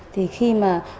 thì khi mà